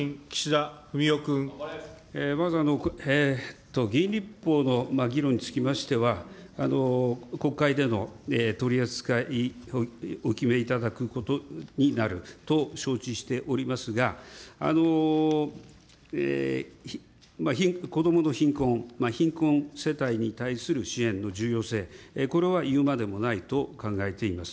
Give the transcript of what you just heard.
まず、議員立法の議論につきましては、国会での取り扱いをお決めいただくことになると承知しておりますが、子どもの貧困、貧困世帯に対する支援の重要性、これは言うまでもないと考えています。